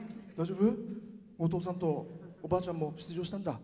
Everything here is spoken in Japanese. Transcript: お父さんとおばあちゃんも出場したんだ。